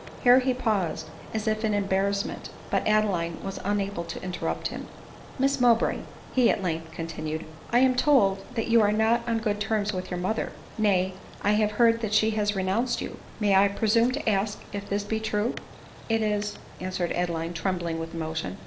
Here he paused, as if in embarrassment, but Adeline ^ was unable to interrupt him. WL H . J'WCw u ADELINE MO W6RAY. 1 37 " Miss Mowbray," he at length continued, " I am told that you are not on good terras with your mother ; nay, I have heard that she has renounced you ; may \ presume to ask if this be true ?" It is," answered Adeline trembling with emotion.